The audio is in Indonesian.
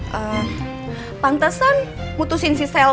mereka sendiri ngomongin sesuatu